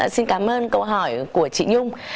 xin cảm ơn câu hỏi của chị nhung